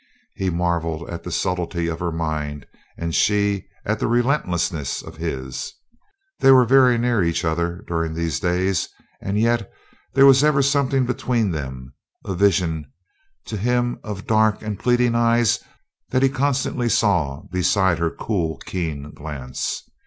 He marvelled at the subtlety of her mind, and she at the relentlessness of his. They were very near each other during these days, and yet there was ever something between them: a vision to him of dark and pleading eyes that he constantly saw beside her cool, keen glance.